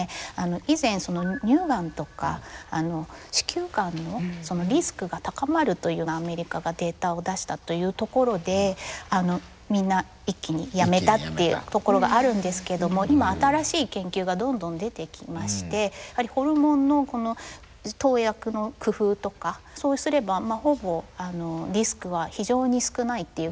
以前乳がんとか子宮がんのリスクが高まるというアメリカがデータを出したというところでみんな一気にやめたっていうところがあるんですけども今新しい研究がどんどん出てきましてホルモンの投薬の工夫とかそうすればほぼリスクは非常に少ないっていうことが分かってきたんですけど。